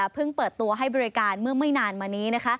เปิดตัวให้บริการเมื่อไม่นานมานี้